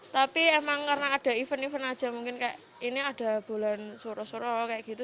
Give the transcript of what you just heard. tapi emang karena ada event event aja mungkin kayak ini ada bulan suruh suruh kayak gitu